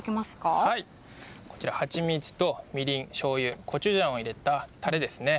こちら蜂蜜とみりんしょうゆ、コチュジャンを入れたタレですね。